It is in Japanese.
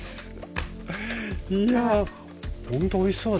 いやほんとおいしそうですね。